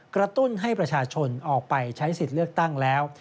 กระตุ้นให้ประชาชนออกไปใช้สิทธิ์เลือกตั้งแล้ว